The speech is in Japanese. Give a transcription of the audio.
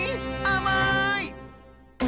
あまい！